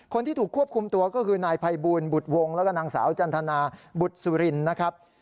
คนที่ถูกควบคุมตัวก็คือนายภัยบูลบุตรวงแล้วก็นางสาวจันทนาบุตรสุรินนะครับ